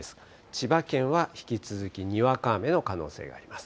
千葉県は引き続きにわか雨の可能性があります。